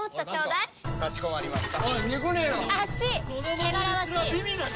かしこまりました。